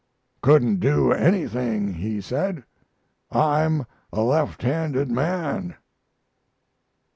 "'Couldn't do anything,' he said. 'I'm a left handed man.'"